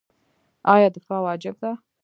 آیا دفاع واجب ده؟